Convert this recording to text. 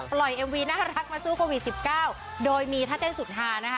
ปล่อยเอ็มวีน่ารักมาสู้โควิด๑๙โดยมีท่าเต้นสุทธานะคะ